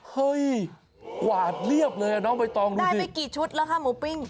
เฮ้ยกวาดเรียบเลยอ่ะน้องใบตองนะได้ไปกี่ชุดแล้วค่ะหมูปิ้ง